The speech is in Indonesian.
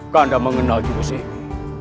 kanda mengenal juru sebi